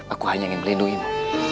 aku hanya ingin melindungimu